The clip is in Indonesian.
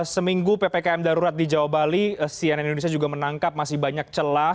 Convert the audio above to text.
seminggu ppkm darurat di jawa bali cnn indonesia juga menangkap masih banyak celah